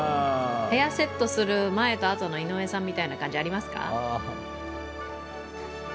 へアセット前とあとの井上さんみたいな感じありますか？